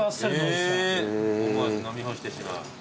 思わず飲み干してしまう。